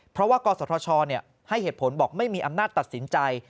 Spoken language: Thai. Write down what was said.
เพราะว่ากศธชให้เหตุผลบอกไม่มีอำนาจตัดสินใจ